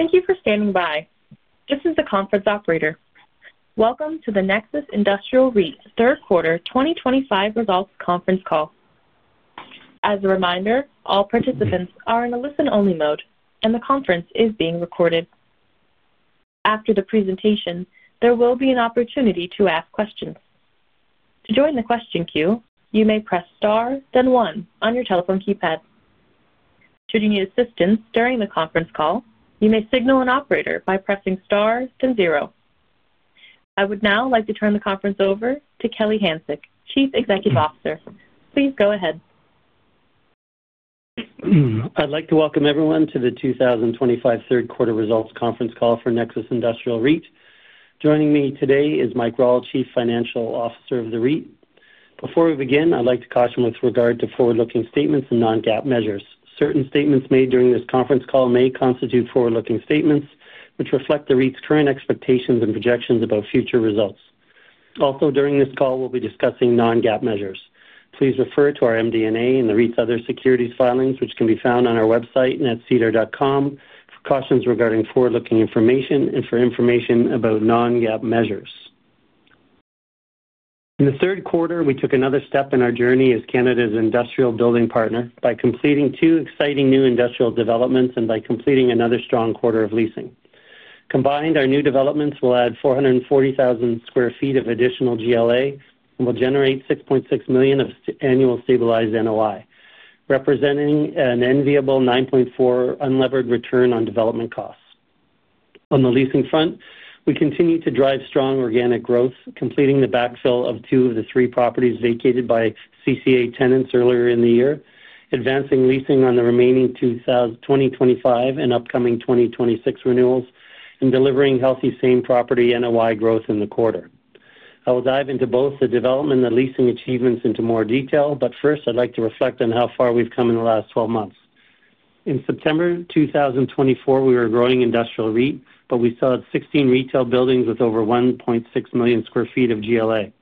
Thank you for standing by. This is the conference operator. Welcome to the Nexus Industrial REIT's third quarter 2025 results conference call. As a reminder, all participants are in a listen-only mode, and the conference is being recorded. After the presentation, there will be an opportunity to ask questions. To join the question queue, you may press star, then one, on your telephone keypad. Should you need assistance during the conference call, you may signal an operator by pressing star, then zero. I would now like to turn the conference over to Kelly Hanczyk, Chief Executive Officer. Please go ahead. I'd like to welcome everyone to the 2025 third quarter results conference call for Nexus Industrial REIT. Joining me today is Mike Rawle, Chief Financial Officer of the REIT. Before we begin, I'd like to caution with regard to forward-looking statements and non-GAAP measures. Certain statements made during this conference call may constitute forward-looking statements which reflect the REIT's current expectations and projections about future results. Also, during this call, we'll be discussing non-GAAP measures. Please refer to our MD&A and the REIT's other securities filings, which can be found on our website netcedar.com, for cautions regarding forward-looking information and for information about non-GAAP measures. In the third quarter, we took another step in our journey as Canada's industrial building partner by completing two exciting new industrial developments and by completing another strong quarter of leasing. Combined, our new developments will add 440,000 sq ft of additional GLA and will generate 6.6 million of annual stabilized NOI, representing an enviable 9.4% unlevered return on development costs. On the leasing front, we continue to drive strong organic growth, completing the backfill of two of the three properties vacated by CCA tenants earlier in the year, advancing leasing on the remaining 2025 and upcoming 2026 renewals, and delivering healthy same property NOI growth in the quarter. I will dive into both the development and the leasing achievements into more detail, but first, I'd like to reflect on how far we've come in the last 12 months. In September 2024, we were a growing industrial REIT, but we still had 16 retail buildings with over 1.6 million sq ft of GLA.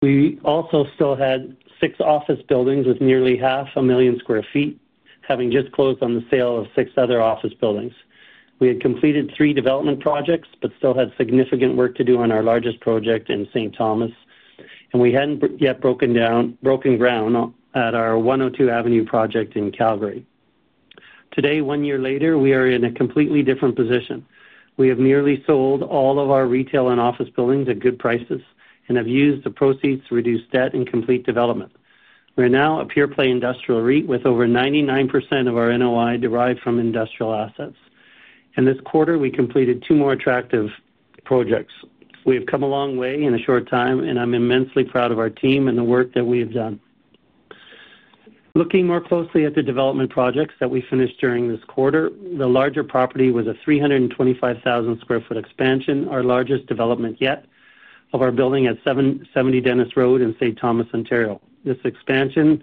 We also still had six office buildings with nearly 500,000 sq ft, having just closed on the sale of six other office buildings. We had completed three development projects but still had significant work to do on our largest project in St. Thomas, and we had not yet broken ground at our 102 Avenue project in Calgary. Today, one year later, we are in a completely different position. We have nearly sold all of our retail and office buildings at good prices and have used the proceeds to reduce debt and complete development. We are now a pure-play industrial REIT with over 99% of our NOI derived from industrial assets. In this quarter, we completed two more attractive projects. We have come a long way in a short time, and I am immensely proud of our team and the work that we have done. Looking more closely at the development projects that we finished during this quarter, the larger property was a 325,000 sq ft expansion, our largest development yet, of our building at 70 Dennis Road in St. Thomas, Ontario. This expansion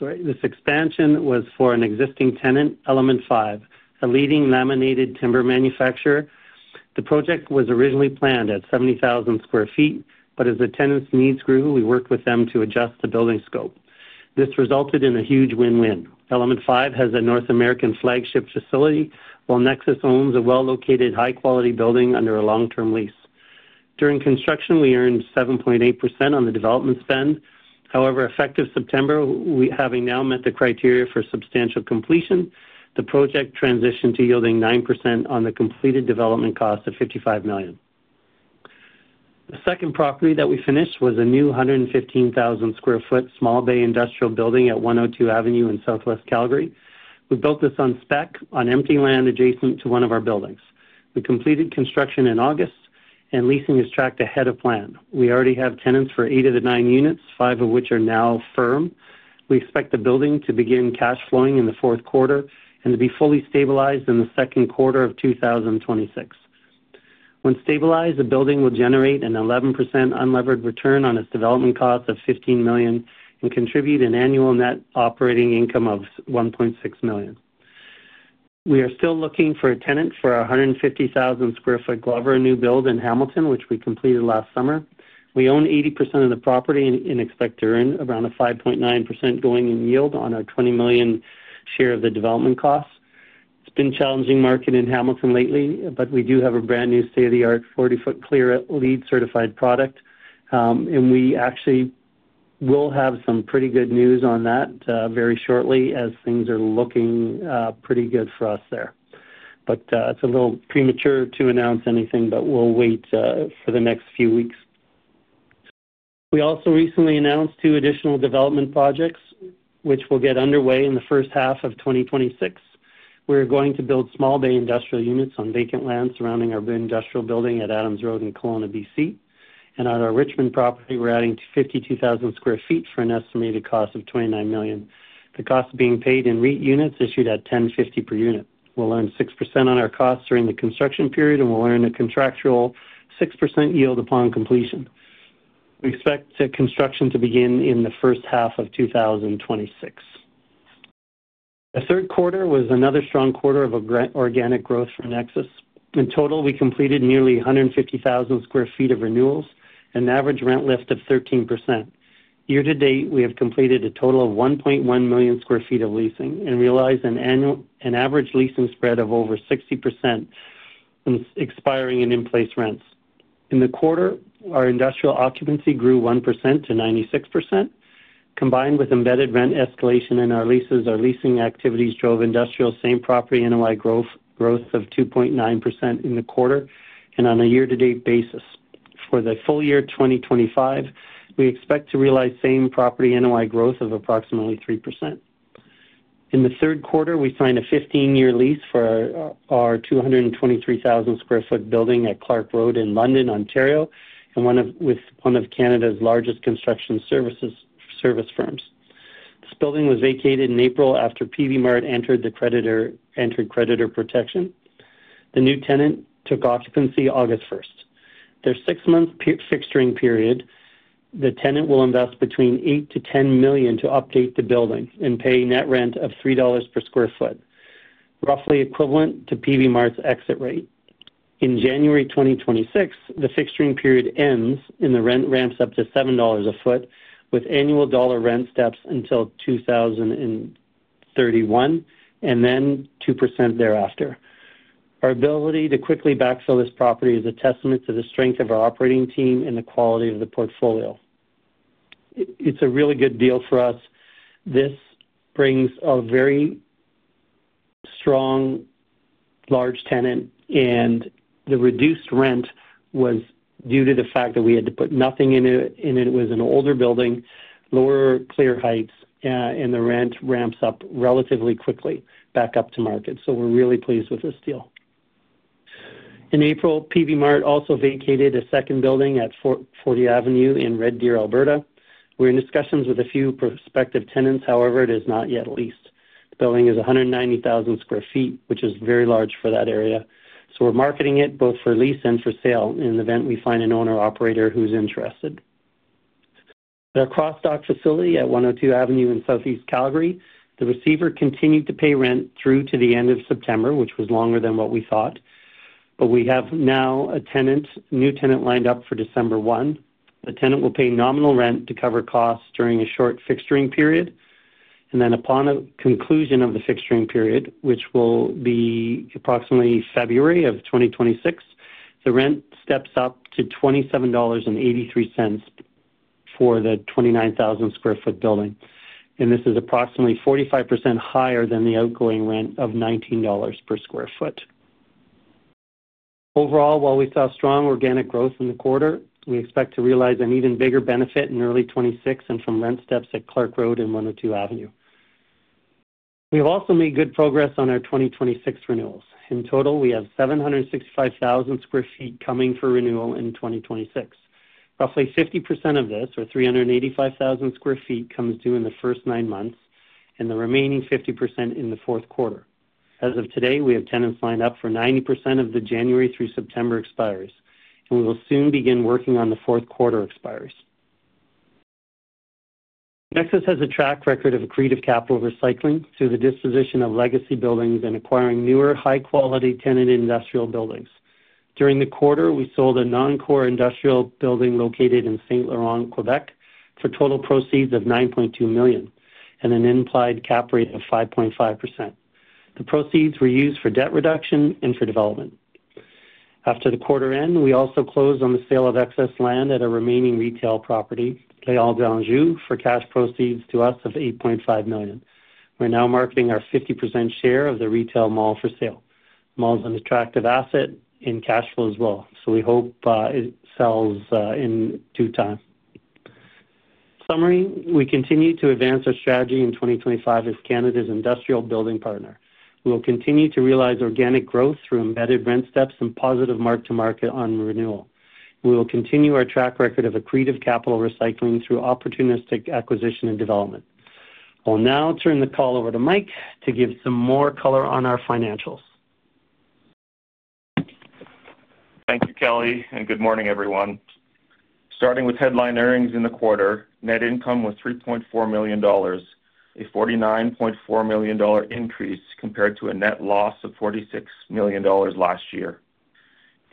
was for an existing tenant, Element Five, a leading laminated timber manufacturer. The project was originally planned at 70,000 sq ft, but as the tenants' needs grew, we worked with them to adjust the building scope. This resulted in a huge win-win. Element Five has a North American flagship facility, while Nexus owns a well-located, high-quality building under a long-term lease. During construction, we earned 7.8% on the development spend. However, effective September, having now met the criteria for substantial completion, the project transitioned to yielding 9% on the completed development cost of 55 million. The second property that we finished was a new 115,000 sq ft small bay industrial building at 102 Avenue in southwest Calgary. We built this on spec, on empty land adjacent to one of our buildings. We completed construction in August, and leasing is tracked ahead of plan. We already have tenants for eight of the nine units, five of which are now firm. We expect the building to begin cash flowing in the fourth quarter and to be fully stabilized in the second quarter of 2026. Once stabilized, the building will generate an 11% unlevered return on its development cost of 15 million and contribute an annual net operating income of 1.6 million. We are still looking for a tenant for our 150,000 sq ft Glover New Build in Hamilton, which we completed last summer. We own 80% of the property and expect to earn around a 5.9% going in yield on our 20 million share of the development costs. It's been a challenging market in Hamilton lately, but we do have a brand new state-of-the-art 40-foot clear LEED certified product, and we actually will have some pretty good news on that very shortly as things are looking pretty good for us there. It's a little premature to announce anything, but we'll wait for the next few weeks. We also recently announced two additional development projects, which will get underway in the first half of 2026. We're going to build small bay industrial units on vacant land surrounding our industrial building at Adams Road in Kelowna, BC. On our Richmond property, we're adding 52,000 sq ft for an estimated cost of 29 million. The cost being paid in REIT units issued at 10.50 per unit. We'll earn 6% on our costs during the construction period, and we'll earn a contractual 6% yield upon completion. We expect construction to begin in the first half of 2026. The third quarter was another strong quarter of organic growth for Nexus. In total, we completed nearly 150,000 sq ft of renewals and an average rent lift of 13%. Year to date, we have completed a total of 1.1 million sq ft of leasing and realized an average leasing spread of over 60% on expiring and in-place rents. In the quarter, our industrial occupancy grew 1% to 96%. Combined with embedded rent escalation in our leases, our leasing activities drove industrial same property NOI growth of 2.9% in the quarter and on a year-to-date basis. For the full year 2025, we expect to realize same property NOI growth of approximately 3%. In the third quarter, we signed a 15-year lease for our 223,000 sq ft building at Clark Road in London, Ontario, with one of Canada's largest construction services firms. This building was vacated in April after PV Mart entered creditor protection. The new tenant took occupancy August 1st. During their six-month fixturing period, the tenant will invest between 8 million-10 million to update the building and pay net rent of 3 dollars per sq ft, roughly equivalent to PV Mart's exit rate. In January 2026, the fixturing period ends and the rent ramps up to 7 dollars a foot with annual dollar rent steps until 2031 and then 2% thereafter. Our ability to quickly backfill this property is a testament to the strength of our operating team and the quality of the portfolio. It's a really good deal for us. This brings a very strong, large tenant, and the reduced rent was due to the fact that we had to put nothing in it. It was an older building, lower clear heights, and the rent ramps up relatively quickly back up to market. We are really pleased with this deal. In April, PV Mart also vacated a second building at 40 Avenue in Red Deer, Alberta. We are in discussions with a few prospective tenants; however, it is not yet leased. The building is 190,000 sq ft, which is very large for that area. We are marketing it both for lease and for sale in the event we find an owner-operator who is interested. At our cross-dock facility at 102 Avenue in southeast Calgary, the receiver continued to pay rent through to the end of September, which was longer than what we thought. We have now a new tenant lined up for December 1. The tenant will pay nominal rent to cover costs during a short fixturing period. Upon the conclusion of the fixturing period, which will be approximately February of 2026, the rent steps up to 27.83 dollars for the 29,000 sq ft building. This is approximately 45% higher than the outgoing rent of 19 dollars per sq ft. Overall, while we saw strong organic growth in the quarter, we expect to realize an even bigger benefit in early 2026 and from rent steps at Clark Road and 102 Avenue. We have also made good progress on our 2026 renewals. In total, we have 765,000 sq ft coming for renewal in 2026. Roughly 50% of this, or 385,000 sq ft, comes due in the first nine months, and the remaining 50% in the fourth quarter. As of today, we have tenants lined up for 90% of the January through September expires, and we will soon begin working on the fourth quarter expires. Nexus has a track record of accretive capital recycling through the disposition of legacy buildings and acquiring newer high-quality tenant industrial buildings. During the quarter, we sold a non-core industrial building located in St. Laurent, Quebec, for total proceeds of 9.2 million and an implied cap rate of 5.5%. The proceeds were used for debt reduction and for development. After the quarter end, we also closed on the sale of excess land at a remaining retail property, L'Arme d'Anjou, for cash proceeds to us of 8.5 million. We're now marketing our 50% share of the retail mall for sale. The mall is an attractive asset in cash flow as well, so we hope it sells in due time. Summary, we continue to advance our strategy in 2025 as Canada's industrial building partner. We will continue to realize organic growth through embedded rent steps and positive mark-to-market on renewal. We will continue our track record of accretive capital recycling through opportunistic acquisition and development. I'll now turn the call over to Mike to give some more color on our financials. Thank you, Kelly, and good morning, everyone. Starting with headline earnings in the quarter, net income was 3.4 million dollars, a 49.4 million dollar increase compared to a net loss of 46 million dollars last year.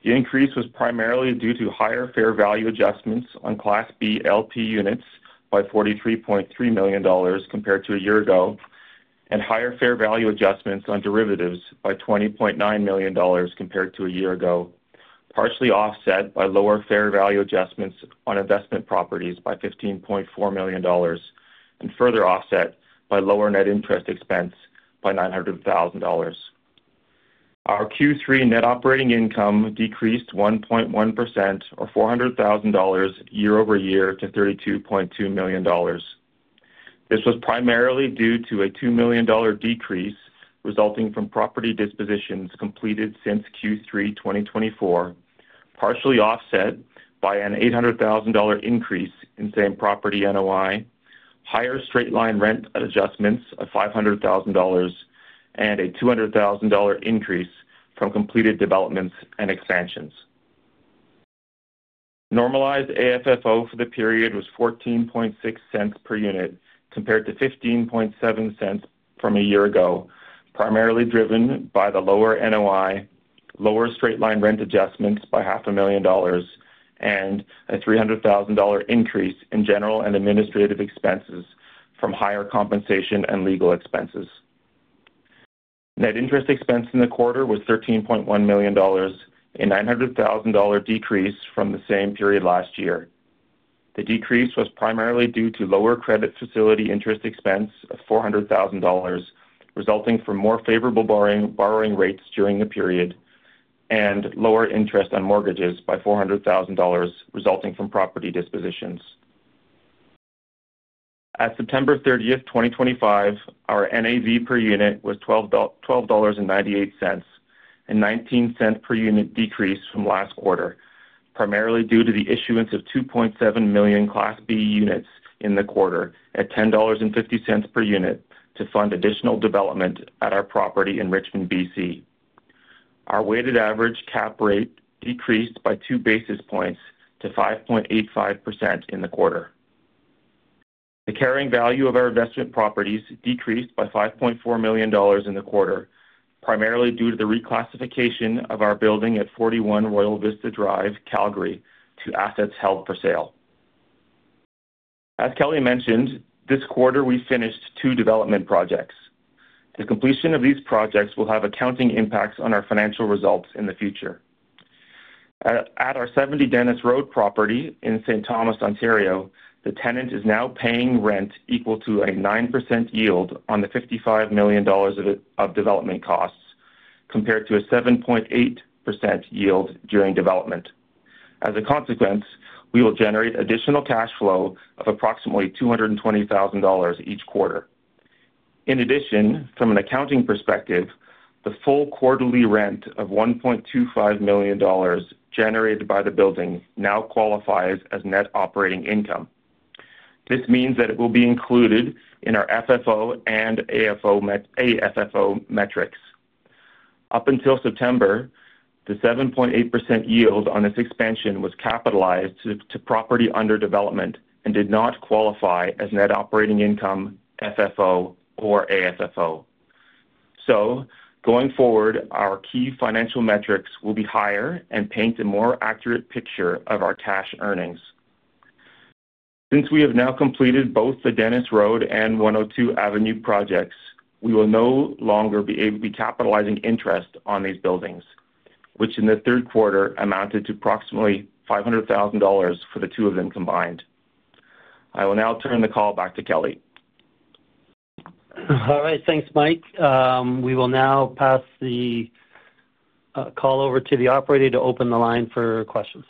The increase was primarily due to higher fair value adjustments on Class B LP units by 43.3 million dollars compared to a year ago, and higher fair value adjustments on derivatives by 20.9 million dollars compared to a year ago, partially offset by lower fair value adjustments on investment properties by 15.4 million dollars, and further offset by lower net interest expense by 900,000 dollars. Our Q3 net operating income decreased 1.1%, or 400,000 dollars year-over-year to 32.2 million dollars. This was primarily due to a 2 million dollar decrease resulting from property dispositions completed since Q3 2024, partially offset by a 800,000 dollar increase in same property NOI, higher straight-line rent adjustments of 500,000 dollars, and a 200,000 dollar increase from completed developments and expansions. Normalized AFFO for the period was 14.6 per unit compared to 15.7 from a year ago, primarily driven by the lower NOI, lower straight-line rent adjustments by 500,000 dollars, and a 300,000 dollar increase in general and administrative expenses from higher compensation and legal expenses. Net interest expense in the quarter was 13.1 million dollars, a 900,000 dollar decrease from the same period last year. The decrease was primarily due to lower credit facility interest expense of 400,000 dollars, resulting from more favorable borrowing rates during the period, and lower interest on mortgages by 400,000 dollars resulting from property dispositions. At September 30th, 2025, our NAV per unit was $12.98, a $0.19 per unit decrease from last quarter, primarily due to the issuance of 2.7 million Class B units in the quarter at $10.50 per unit to fund additional development at our property in Richmond, BC. Our weighted average cap rate decreased by two basis points to 5.85% in the quarter. The carrying value of our investment properties decreased by $5.4 million in the quarter, primarily due to the reclassification of our building at 41 Royal Vista Drive, Calgary, to assets held for sale. As Kelly mentioned, this quarter we finished two development projects. The completion of these projects will have accounting impacts on our financial results in the future. At our 70 Dennis Road property in St. Thomas, Ontario, the tenant is now paying rent equal to a 9% yield on the 55 million dollars of development costs compared to a 7.8% yield during development. As a consequence, we will generate additional cash flow of approximately 220,000 dollars each quarter. In addition, from an accounting perspective, the full quarterly rent of 1.25 million dollars generated by the building now qualifies as net operating income. This means that it will be included in our FFO and AFFO metrics. Up until September, the 7.8% yield on this expansion was capitalized to property under development and did not qualify as net operating income, FFO, or AFFO. Going forward, our key financial metrics will be higher and paint a more accurate picture of our cash earnings. Since we have now completed both the Dennis Road and 102 Avenue projects, we will no longer be able to be capitalizing interest on these buildings, which in the third quarter amounted to approximately 500,000 dollars for the two of them combined. I will now turn the call back to Kelly. All right. Thanks, Mike. We will now pass the call over to the operator to open the line for questions.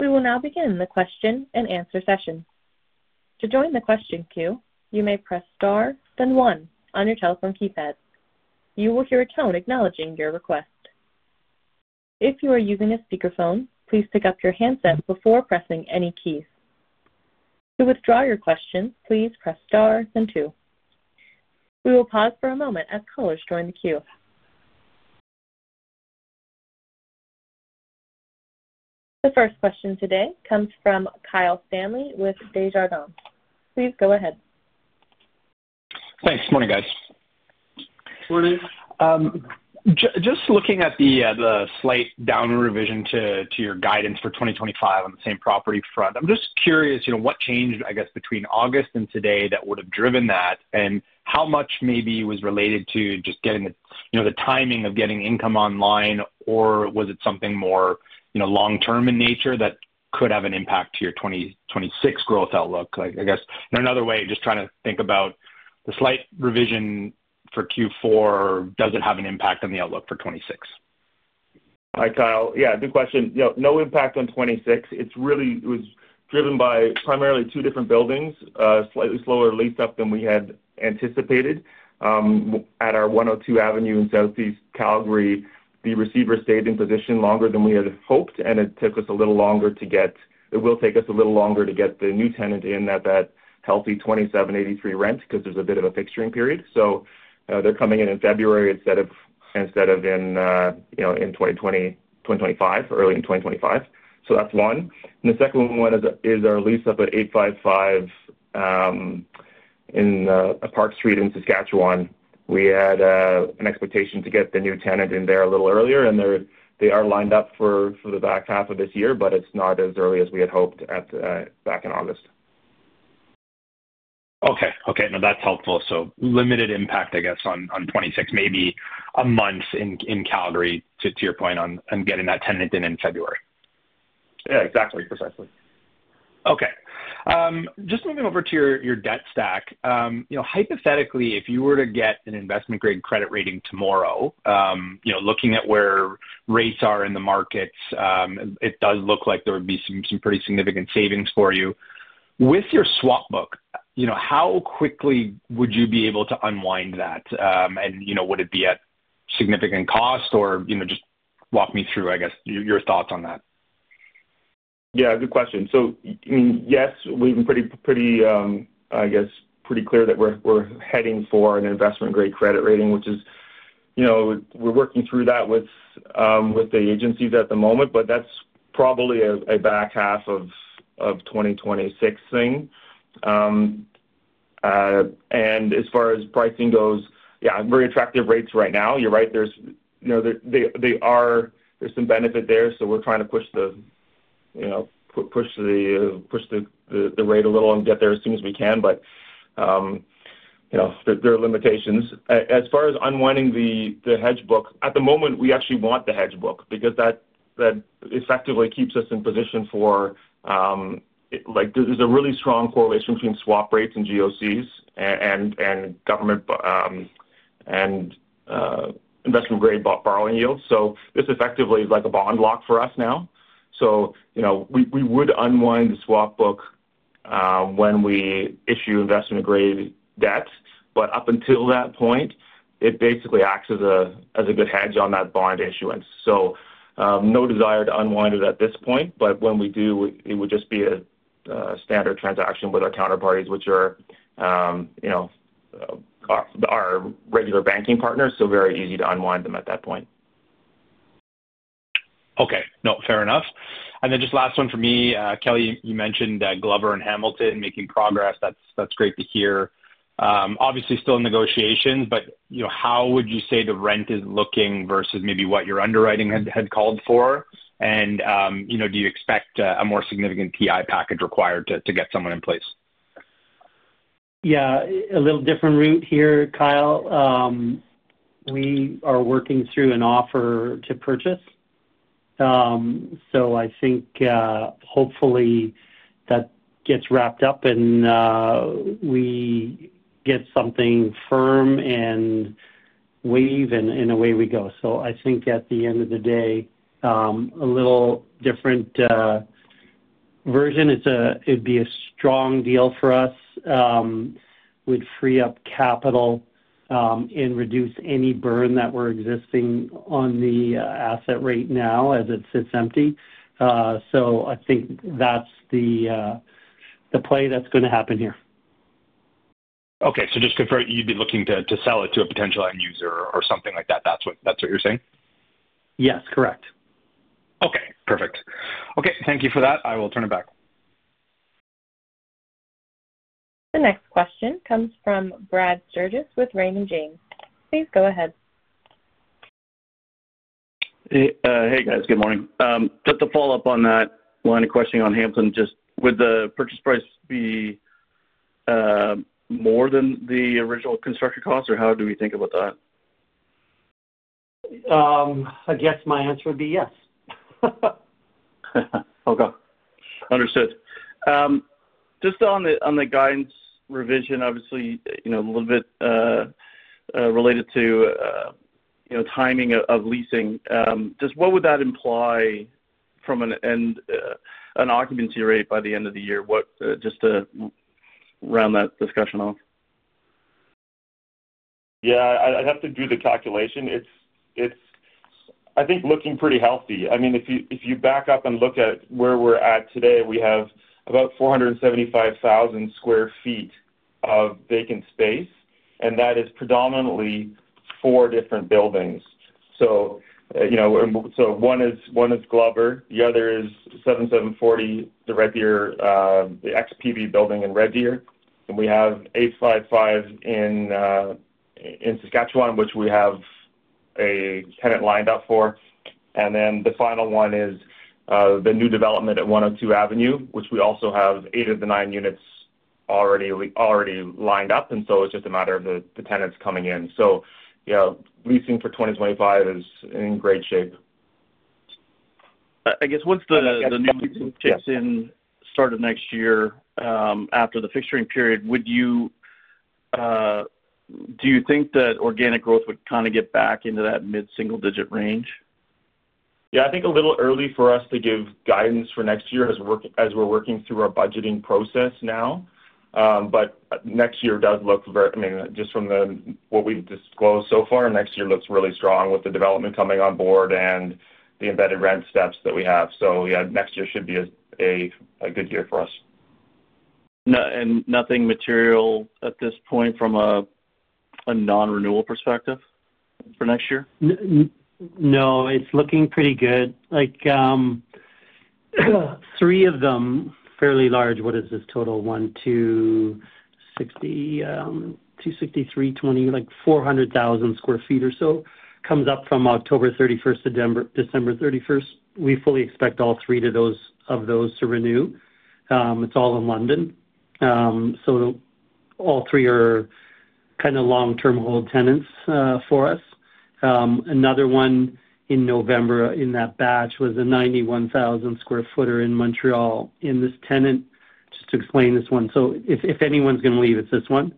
We will now begin the question and answer session. To join the question queue, you may press star, then one on your telephone keypad. You will hear a tone acknowledging your request. If you are using a speakerphone, please pick up your handset before pressing any keys. To withdraw your question, please press star, then two. We will pause for a moment as callers join the queue. The first question today comes from Kyle Stanley with Desjardins. Please go ahead. Thanks. Good morning, guys. Good morning. Just looking at the slight downward revision to your guidance for 2025 on the same property front, I'm just curious what changed, I guess, between August and today that would have driven that, and how much maybe was related to just getting the timing of getting income online, or was it something more long-term in nature that could have an impact to your 2026 growth outlook? I guess in another way, just trying to think about the slight revision for Q4, does it have an impact on the outlook for 2026? Hi, Kyle. Yeah, good question. No impact on 2026. It was driven by primarily two different buildings, slightly slower lease up than we had anticipated. At our 102 Avenue in southeast Calgary, the receiver stayed in position longer than we had hoped, and it took us a little longer to get it will take us a little longer to get the new tenant in at that healthy 2,783 rent because there's a bit of a fixturing period. They are coming in in February instead of in 2025, early in 2025. That is one. The second one is our lease up at 855 in Park Street in Saskatchewan. We had an expectation to get the new tenant in there a little earlier, and they are lined up for the back half of this year, but it is not as early as we had hoped back in August. Okay. Okay. No, that's helpful. Limited impact, I guess, on '26, maybe a month in Calgary, to your point, on getting that tenant in in February. Yeah, exactly. Precisely. Okay. Just moving over to your debt stack. Hypothetically, if you were to get an investment-grade credit rating tomorrow, looking at where rates are in the markets, it does look like there would be some pretty significant savings for you. With your swap book, how quickly would you be able to unwind that? And would it be at significant cost, or just walk me through, I guess, your thoughts on that? Yeah, good question. I mean, yes, we've been pretty, I guess, pretty clear that we're heading for an investment-grade credit rating, which is we're working through that with the agencies at the moment, but that's probably a back half of 2026 thing. As far as pricing goes, yeah, very attractive rates right now. You're right. There's some benefit there. We're trying to push the rate a little and get there as soon as we can, but there are limitations. As far as unwinding the hedge book, at the moment, we actually want the hedge book because that effectively keeps us in position for there's a really strong correlation between swap rates and GOCs and government and investment-grade borrowing yields. This effectively is like a bond lock for us now. We would unwind the swap book when we issue investment-grade debt, but up until that point, it basically acts as a good hedge on that bond issuance. No desire to unwind it at this point, but when we do, it would just be a standard transaction with our counterparties, which are our regular banking partners, so very easy to unwind them at that point. Okay. No, fair enough. And then just last one for me. Kelly, you mentioned Glover and Hamilton making progress. That's great to hear. Obviously, still in negotiations, but how would you say the rent is looking versus maybe what your underwriting had called for? And do you expect a more significant PI package required to get someone in place? Yeah, a little different route here, Kyle. We are working through an offer to purchase. I think hopefully that gets wrapped up and we get something firm and wave, and away we go. I think at the end of the day, a little different version. It'd be a strong deal for us. It would free up capital and reduce any burn that we're existing on the asset right now as it sits empty. I think that's the play that's going to happen here. Okay. So just confirm, you'd be looking to sell it to a potential end user or something like that? That's what you're saying? Yes, correct. Okay. Perfect. Okay. Thank you for that. I will turn it back. The next question comes from Brad Sturges with Raymond James. Please go ahead. Hey, guys. Good morning. Just to follow up on that line of questioning on Hamilton, just would the purchase price be more than the original construction cost, or how do we think about that? I guess my answer would be yes. Okay. Understood. Just on the guidance revision, obviously, a little bit related to timing of leasing, just what would that imply from an occupancy rate by the end of the year? Just to round that discussion off. Yeah, I'd have to do the calculation. I think looking pretty healthy. I mean, if you back up and look at where we're at today, we have about 475,000 sq ft of vacant space, and that is predominantly four different buildings. One is Glover. The other is 7740, the Red Deer, the XPB building in Red Deer. We have 855 in Saskatchewan, which we have a tenant lined up for. The final one is the new development at 102 Avenue, which we also have eight of the nine units already lined up. It is just a matter of the tenants coming in. Leasing for 2025 is in great shape. I guess once the new leasing kicks in start of next year after the fixturing period, do you think that organic growth would kind of get back into that mid-single-digit range? Yeah, I think a little early for us to give guidance for next year as we're working through our budgeting process now. I mean, just from what we've disclosed so far, next year looks really strong with the development coming on board and the embedded rent steps that we have. Yeah, next year should be a good year for us. Nothing material at this point from a non-renewal perspective for next year? No, it's looking pretty good. Three of them, fairly large. What is this total? One, two, 60, 263, 20, like 400,000 sq ft or so comes up from October 31st, December 31st. We fully expect all three of those to renew. It's all in London. All three are kind of long-term hold tenants for us. Another one in November in that batch was a 91,000 sq ft in Montreal. This tenant, just to explain this one, if anyone's going to leave, it's this one.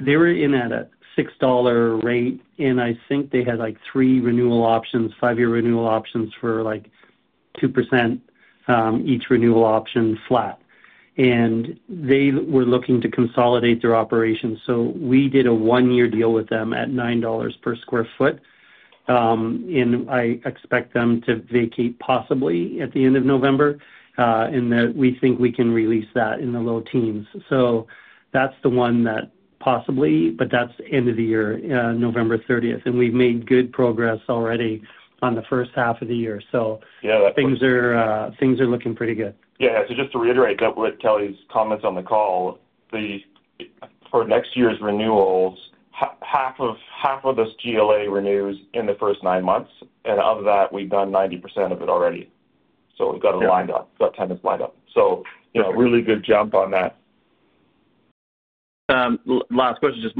They were in at a 6 dollar rate, and I think they had like three renewal options, five-year renewal options for 2% each renewal option flat. They were looking to consolidate their operation. We did a one-year deal with them at 9 dollars per sq ft. I expect them to vacate possibly at the end of November, and we think we can release that in the low teens. That is the one that possibly, but that is end of the year, November 30th. We have made good progress already on the first half of the year. Things are looking pretty good. Yeah. Just to reiterate Kelly's comments on the call, for next year's renewals, half of this GLA renews in the first nine months, and of that, we've done 90% of it already. We've got it lined up. We've got tenants lined up. Really good jump on that. Last question, just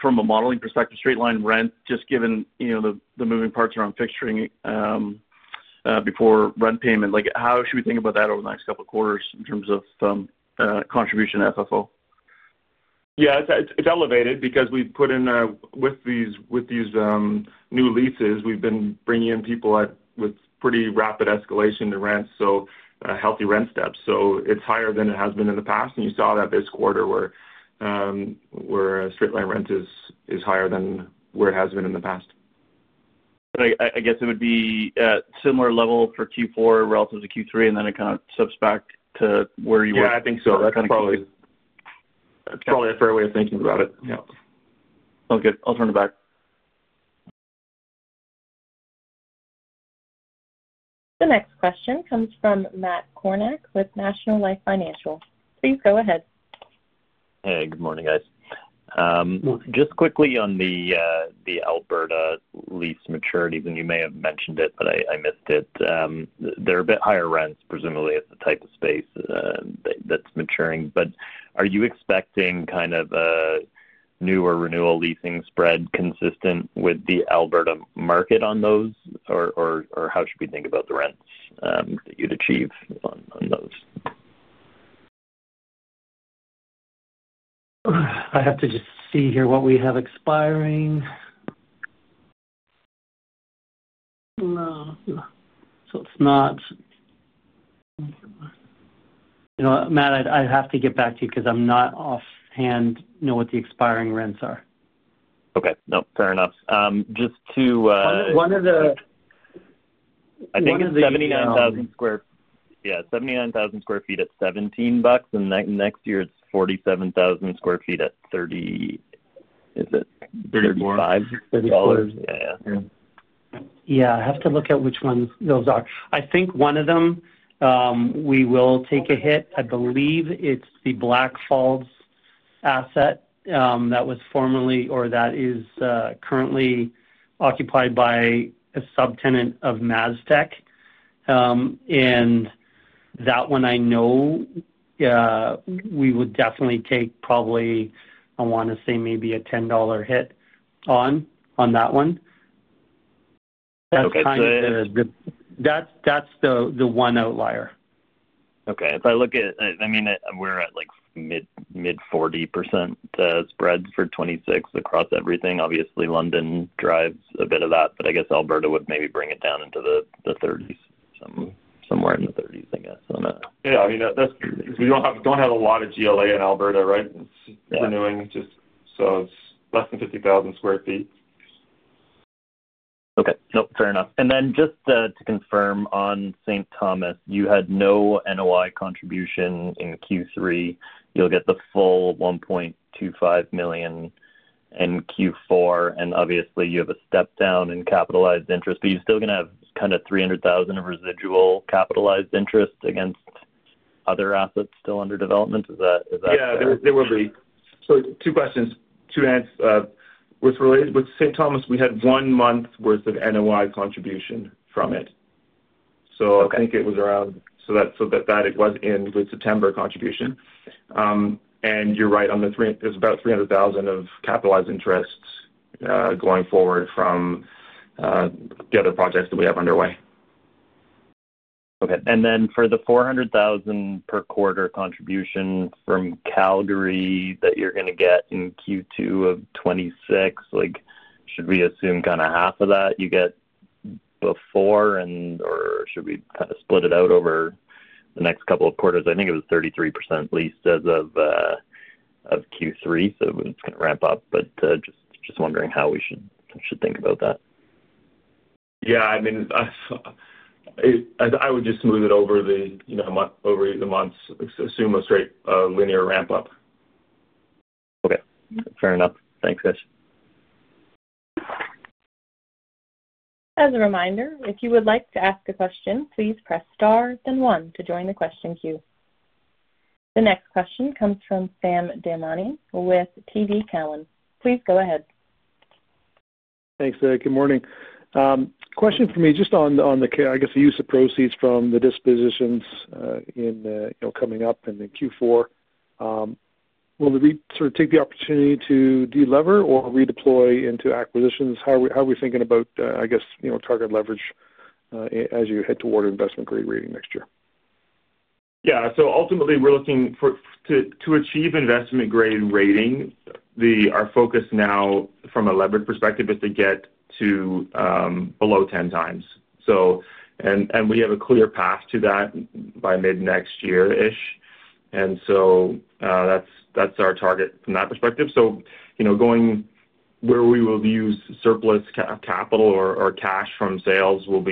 from a modeling perspective, straight-line rent, just given the moving parts around fixturing before rent payment, how should we think about that over the next couple of quarters in terms of contribution to FFO? Yeah, it's elevated because we've put in with these new leases, we've been bringing in people with pretty rapid escalation to rent, so healthy rent steps. It is higher than it has been in the past. You saw that this quarter where straight-line rent is higher than where it has been in the past. I guess it would be a similar level for Q4 relative to Q3, and then it kind of subs back to where you were. Yeah, I think so. That kind of thing is probably a fair way of thinking about it. Yeah. Okay. I'll turn it back. The next question comes from Matt Kornack with National Bank Financial. Please go ahead. Hey, good morning, guys. Just quickly on the Alberta lease maturities, and you may have mentioned it, but I missed it. They're a bit higher rents, presumably, as the type of space that's maturing. Are you expecting kind of a newer renewal leasing spread consistent with the Alberta market on those, or how should we think about the rents that you'd achieve on those? I have to just see here what we have expiring. It is not Matt, I have to get back to you because I do not offhand know what the expiring rents are. Okay. No, fair enough. Just to. One of the. I think 79,000 sq ft. Yeah, 79,000 sq ft at 17 bucks, and next year it's 47,000 sq ft at 35 dollars. 34. Yeah, yeah. Yeah, I have to look at which ones those are. I think one of them we will take a hit. I believe it is the Blackfalds asset that was formerly or that is currently occupied by a subtenant of Maztech. And that one I know we would definitely take probably, I want to say maybe a $10 hit on that one. That is kind of the one outlier. Okay. If I look at, I mean, we're at like mid 40% spreads for 2026 across everything. Obviously, London drives a bit of that, but I guess Alberta would maybe bring it down into the 30s, somewhere in the 30s, I guess. Yeah. I mean, we do not have a lot of GLA in Alberta, right? It is renewing just so it is less than 50,000 sq ft. Okay. No, fair enough. And then just to confirm, on St. Thomas, you had no NOI contribution in Q3. You'll get the full 1.25 million in Q4, and obviously, you have a step down in capitalized interest, but you're still going to have kind of 300,000 of residual capitalized interest against other assets still under development. Is that correct? Yeah, there will be. Two questions, two answers. With St. Thomas, we had one month's worth of NOI contribution from it. I think it was around, so that it was in with September contribution. You're right on the three, it's about $300,000 of capitalized interest going forward from the other projects that we have underway. Okay. For the 400,000 per quarter contribution from Calgary that you're going to get in Q2 of 2026, should we assume kind of half of that you get before or should we kind of split it out over the next couple of quarters? I think it was 33% leased as of Q3, so it's going to ramp up, but just wondering how we should think about that? Yeah. I mean, I would just move it over the months, assume a straight linear ramp up. Okay. Fair enough. Thanks, guys. As a reminder, if you would like to ask a question, please press star, then one to join the question queue. The next question comes from Sam Damani with TD Cowen. Please go ahead. Thanks, Sarah. Good morning. Question for me just on the, I guess, the use of proceeds from the dispositions in coming up in Q4. Will we sort of take the opportunity to delever or redeploy into acquisitions? How are we thinking about, I guess, target leverage as you head toward investment-grade rating next year? Yeah. So ultimately, we're looking to achieve investment-grade rating. Our focus now from a leverage perspective is to get to below 10x. We have a clear path to that by mid-next year-ish. That is our target from that perspective. Going forward, we will use surplus capital or cash from sales for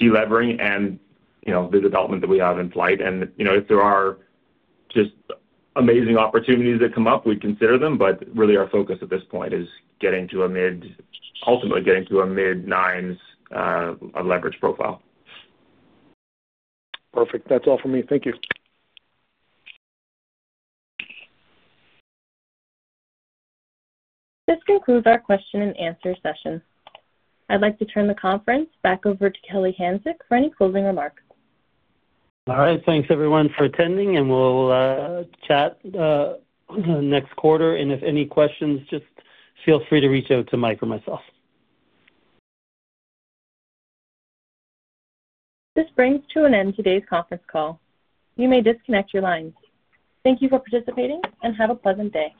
delevering and the development that we have in flight. If there are just amazing opportunities that come up, we'd consider them. Really, our focus at this point is getting to a mid-9s leverage profile. Perfect. That's all for me. Thank you. This concludes our question and answer session. I'd like to turn the conference back over to Kelly Hanczyk for any closing remarks. All right. Thanks, everyone, for attending, and we'll chat next quarter. If any questions, just feel free to reach out to Mike or myself. This brings to an end today's conference call. You may disconnect your lines. Thank you for participating and have a pleasant day.